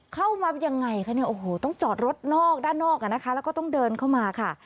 เข้ามาอย่างไรคะต้องจอดรถด้านนอกแล้วก็ต้องเดินเข้ามาค่ะ